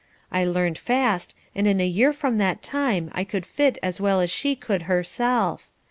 I learned fast, and in a year from that time I could fit as well as she could herself.